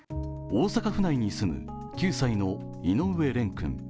大阪府内に住む９歳の井上蓮君。